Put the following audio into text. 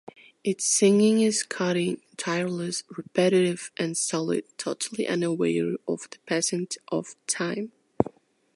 Its singing is cutting, tireless, repetitive and solid, totally unaware of the passing of time.